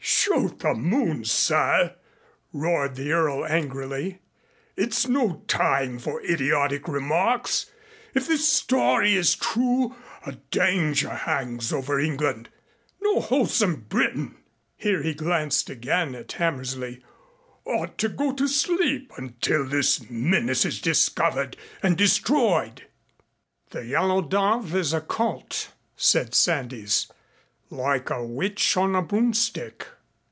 "Shoot the moon, sir," roared the Earl angrily. "It's no time for idiotic remarks. If this story is true, a danger hangs over England. No wholesome Briton," here he glanced again at Hammersley, "ought to go to sleep until this menace is discovered and destroyed." "The Yellow Dove is occult," said Sandys, "like a witch on a broomstick."